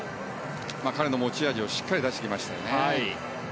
彼の持ち味をしっかり出してきましたね。